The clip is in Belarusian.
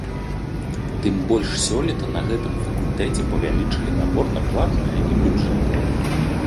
Тым больш сёлета на гэтым факультэце павялічылі набор на платнае і бюджэт.